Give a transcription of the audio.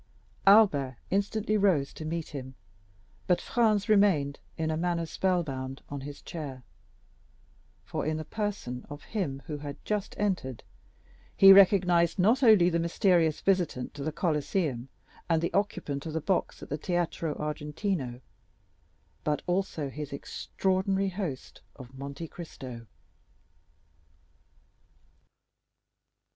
Albert instantly rose to meet him, but Franz remained, in a manner, spellbound on his chair; for in the person of him who had just entered he recognized not only the mysterious visitant to the Colosseum, and the occupant of the box at the Teatro Argentina, but also his extraordinary host of Monte Cristo.